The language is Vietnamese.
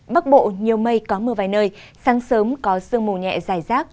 bắc bộ nhiều mây có mưa vài nơi sáng sớm có sương mù nhẹ dài rác